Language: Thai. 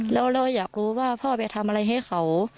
แล้วเราอยากรู้ว่าพ่อไปทำอะไรให้เขา